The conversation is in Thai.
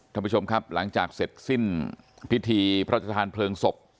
ท่านผู้ชมครับหลังจากเสร็จสิ้นพิธีพระราชทานเพลิงศพ